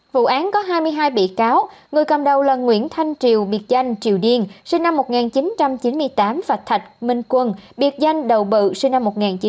vụ án có hai mươi hai bị cáo người cầm đầu là nguyễn thanh triều biệt danh triều điên sinh năm một nghìn chín trăm chín mươi tám và thạch minh quân biệt danh đầu bự sinh năm một nghìn chín trăm tám mươi